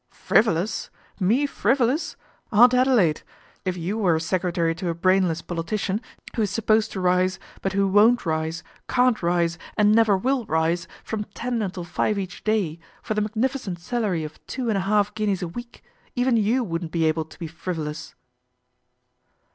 " Frivolous ! Me frivolous ! Aunt Adelaide ! If you were a secretary to a brainless politician, who is supposed to rise, but who won't rise, can't rise, and never will rise, from ten until five each day, for the magnificent salary of two and a haU guineas a week, even you wouldn't be able to be frivolous."